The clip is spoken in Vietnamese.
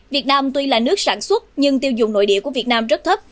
việt nam tuy là nước sản xuất nhưng tiêu dùng nội địa của việt nam rất thấp